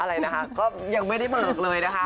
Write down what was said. อะไรนะคะก็ยังไม่ได้เบิกเลยนะคะ